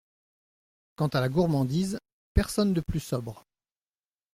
Quant à la gourmandise, personne de plus sobre.